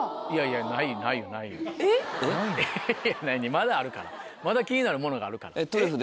まだあるからまだ気になるものがあるから。